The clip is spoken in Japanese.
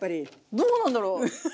どうなんだろう。